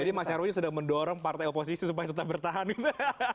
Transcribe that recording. jadi mas nyarwini sudah mendorong partai oposisi supaya tetap bertahan gitu